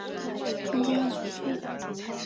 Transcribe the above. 莫朗人口变化图示